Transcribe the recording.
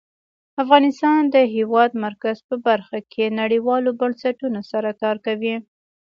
افغانستان د د هېواد مرکز په برخه کې نړیوالو بنسټونو سره کار کوي.